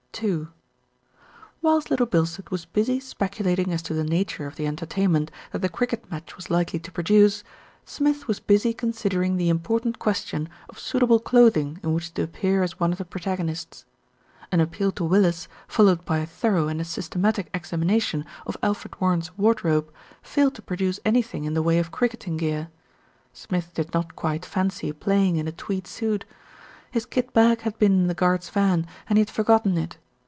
II Whilst Little Bilstead was busy speculating as to the nature of the entertainment that the cricket match was likely to produce, Smith was busy considering the im portant question of suitable clothing in which to appear as one of the protagonists. An appeal to Willis, followed by a thorough and systematic examination of Alfred Warren's wardrobe, failed to produce anything in the way of cricketing gear. Smith did not quite fancy playing in a tweed suit. His kit bag had been in the guard's van, and he had forgotten it.